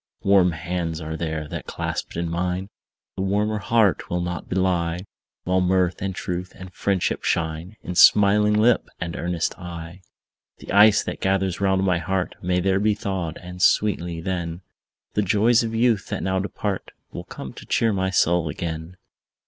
Warm hands are there, that, clasped in mine, The warmer heart will not belie; While mirth, and truth, and friendship shine In smiling lip and earnest eye. The ice that gathers round my heart May there be thawed; and sweetly, then, The joys of youth, that now depart, Will come to cheer my soul again.